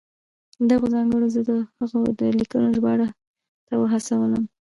دغو ځانګړنو زه د هغه د لیکنو ژباړې ته وهڅولم.